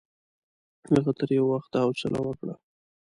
هغه تر یوه وخته حوصله وکړه.